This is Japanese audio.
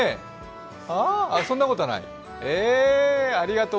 あ、そんなことない？